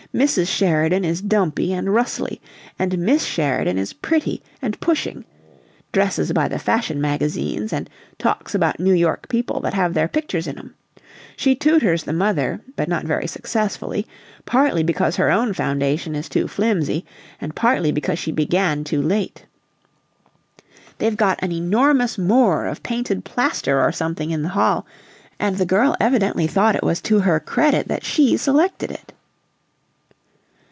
"Mrs. Sheridan is dumpy and rustly; and Miss Sheridan is pretty and pushing dresses by the fashion magazines and talks about New York people that have their pictures in 'em. She tutors the mother, but not very successfully partly because her own foundation is too flimsy and partly because she began too late. They've got an enormous Moor of painted plaster or something in the hall, and the girl evidently thought it was to her credit that she selected it!"